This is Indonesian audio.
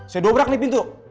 saya dobrak nih pintu